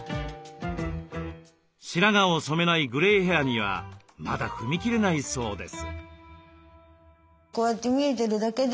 白髪を染めないグレイヘアにはまだ踏み切れないそうです。